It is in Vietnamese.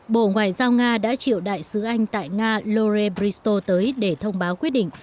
bộ ngoại giao nga đã triệu đại sứ anh tại nga lore bristo tới để thông báo quyết định